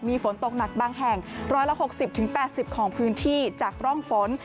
มีฝนตกหนักบางแห่ง๑๖๐๘๐ของพื้นที่จากร่องฝน